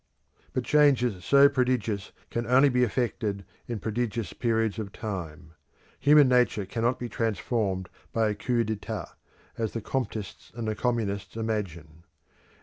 But changes so prodigious can only be effected in prodigious periods of time. Human nature cannot be transformed by a coup d'etat, as the Comtists and Communists imagine.